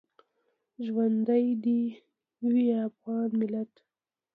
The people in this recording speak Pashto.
ژوندی دې وي افغان ملت